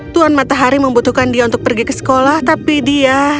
tuhan matahari membutuhkan dia untuk pergi ke sekolah tapi dia